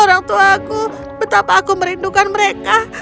orangtuaku betapa aku merindukan mereka